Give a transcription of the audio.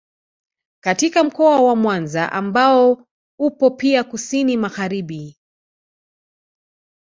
Katika mkoa wa Mwanza ambao upo pia kusini magharibi